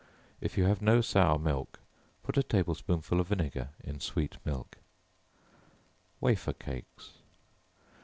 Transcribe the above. If you have no sour milk, put a table spoonful of vinegar in sweet milk. Wafer Cakes.